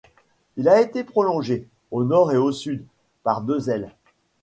Il a été prolongé, au nord et au sud, par deux ailes.